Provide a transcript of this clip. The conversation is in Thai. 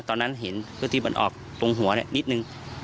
ตอนนั้นเห็นก็ที่มันออกตรงหัวนิดนึง